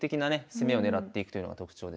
攻めを狙っていくというのが特徴ですね。